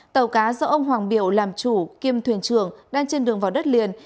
tàu cá do ông hoàng biểu làm chủ kiêm thuyền trưởng đang trên đường vào đất liền